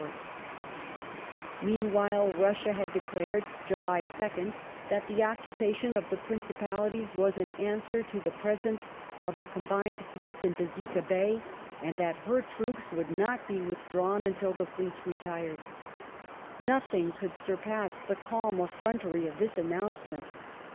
1855] THE MASSACRE OF SINOPE Meanwhile, Russia had declared (July 2nd) that the occupation Outbreak of the Principalities was an answer to the presence of the combined o^ war be fleets in Besika Bay, and that her troops would not be withdrawn Russia until the fleets retired. Nothing could surpass the calm effrontery ^^'^^^' of this announcement.